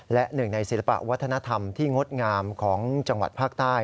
และหนึ่งในศิลปะวัฒนธรรมที่งดงามของจังหวัดภาคใต้